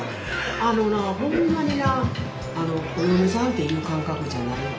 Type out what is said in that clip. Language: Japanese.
あのなほんまになお嫁さんっていう感覚じゃないわ。